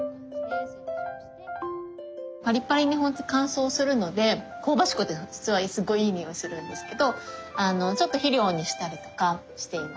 パリパリに乾燥するので香ばしくて実はすごいいい匂いするんですけどちょっと肥料にしたりとかしています。